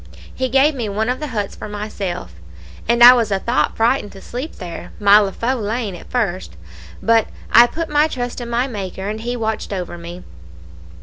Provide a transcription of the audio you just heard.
He gave me one of the huts for myself, and I was a thought frightened to sleep there my leafu' lane at first, but I put my trust in my Maker, and He watched over me.